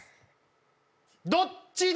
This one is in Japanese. どっちだ？